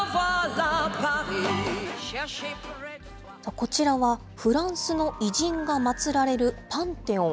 こちらは、フランスの偉人が祭られるパンテオン。